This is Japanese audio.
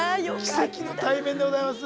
奇跡の対面でございます。